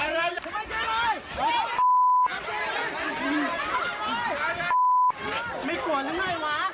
ไม่กลัวแล้วไงวะ